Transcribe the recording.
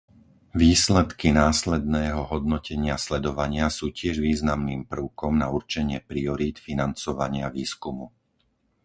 Výsledky následného hodnotenia sledovania sú tiež významným prvkom na určenie priorít financovania výskumu.